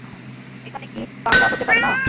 এখানে কি চাঙ্গা হতে পারবে না?